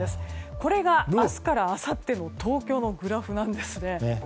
これが明日からあさっての東京のグラフなんですね。